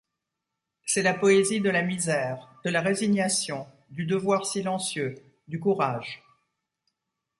C'est la poésie de la misère, de la résignation, du devoir silencieux, du courage.